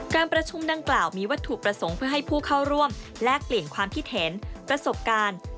การประชุมดังกล่าวมีวัตถุประสงค์เพื่อให้ผู้เข้าร่วมแลกเปลี่ยนความคิดเห็นประสบการณ์